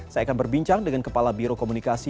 saya akan berbincang dengan kepala biro komunikasi